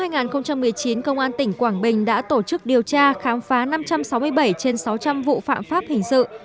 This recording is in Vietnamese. năm hai nghìn một mươi chín công an tỉnh quảng bình đã tổ chức điều tra khám phá năm trăm sáu mươi bảy trên sáu trăm linh vụ phạm pháp hình sự